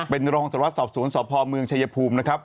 เป็นรองจัดวัตรสอบศูนย์สอบภอมเมืองชัยภูมินะครับ